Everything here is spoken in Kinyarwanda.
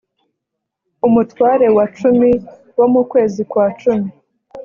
umutware wa cumi wo mu kwezi kwa cumi